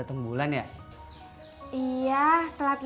emang belum rejeki kita punya anak